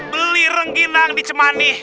beli rengginang di cemani